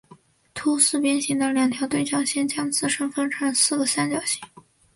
凸四边形的两条对角线将自身分成四个三角形。